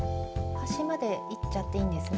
端までいっちゃっていいんですね。